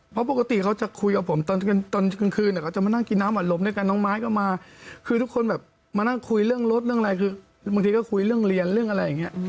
เพราะปกติเขาจะคุยกับผมตอนกลางคืนเขาจะมานั่งกินน้ำอัดลมด้วยกันน้องไม้ก็มาคือทุกคนแบบมานั่งคุยเรื่องรถเรื่องอะไรคือบางทีก็คุยเรื่องเรียนเรื่องอะไรอย่างนี้